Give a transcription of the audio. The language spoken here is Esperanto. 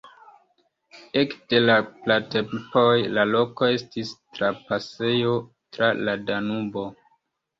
Ekde la pratempoj la loko estis trapasejo tra la Danubo.